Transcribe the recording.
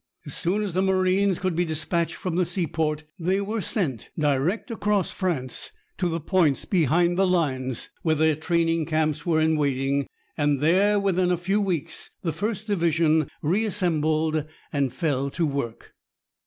As soon as the marines could be despatched from the seaport they were sent direct across France to the points behind the lines where their training camps were in waiting, and there, within a few weeks, the First Division reassembled and fell to work.